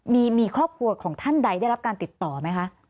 มีครอบครัวของท่านใดได้รับการติดต่อไหมคะ